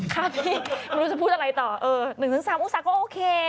ครับพี่ไม่รู้จะพูดอะไรต่อ๑๓องศาก็โอเค